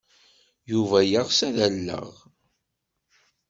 Yuba yeɣs ad t-alleɣ.